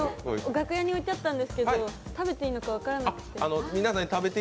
楽屋に置いてあったんですけど食べていいか分からなくて。